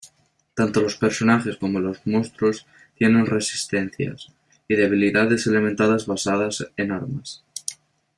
Tanto los personajes como los monstruos tienen resistencias y debilidades elementales basadas en armas.